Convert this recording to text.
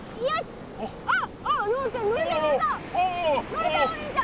乗れたお兄ちゃん！